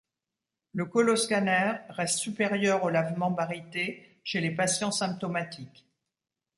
Le coloscanner reste supérieur au lavement baryté chez les patients symptomatiques.